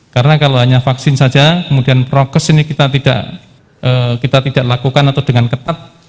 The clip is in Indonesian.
karena kalau hanya vaksin saja kemudian progres ini kita tidak lakukan atau dengan ketat